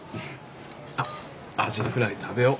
あっアジフライ食べよう。